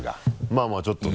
まぁまぁちょっとね。